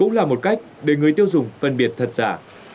cũng là một cách để người tiêu dùng phân biệt thật giả